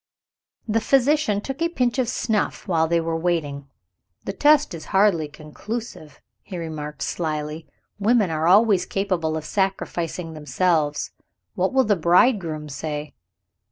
The physician took a pinch of snuff while they were waiting. "The test is hardly conclusive," he remarked slily; "women are always capable of sacrificing themselves. What will the bridegroom say?"